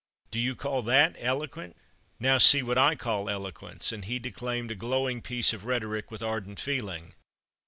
"Do you call that eloquent? Now see what I call eloquence," and he declaimed a glowing piece of rhetoric with ardent feeling.